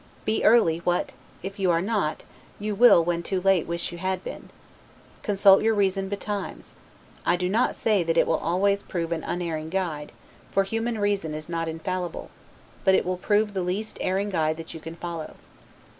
Be early what, if you are not, you will when too late wish you had been. Consult your reason betimes: I do not say that it will always prove an unerring guide; for human reason is not infallible; but it will prove the least erring guide that you can follow.